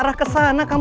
udah ngeri ngeri aja